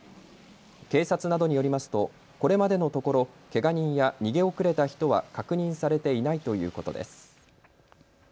警察などによりますとこれまでのところ、けが人や逃げ遅れた人は確認されていないということです。